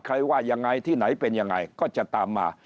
ว่ายังไงที่ไหนเป็นยังไงก็จะตามมา